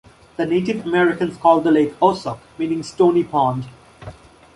The Native Americans called the lake "Oussuk", meaning "stony pond.